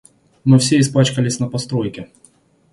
Мы все испачкались на постройке.